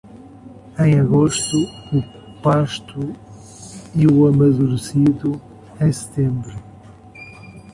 Em agosto o pasto e o amadurecido em setembro.